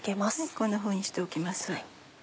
こんなふうにしておきます。